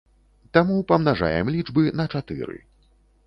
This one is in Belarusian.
Таму памнажаем лічбы на чатыры.